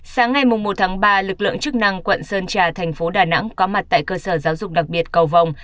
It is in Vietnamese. sáng ngày một tháng ba lực lượng chức năng quận sơn trà thành phố đà nẵng có mặt tại cơ sở giáo dục đặc biệt cầu vòng